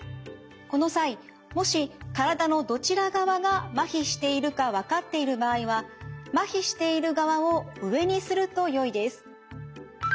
この際もし体のどちら側がまひしているか分かっている場合はまひしている側を上にするとよいです。